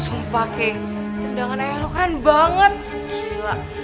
sumpah keh tendangan ayah lo keren banget gila